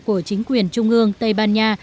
của chính quyền trung ương tây ban nha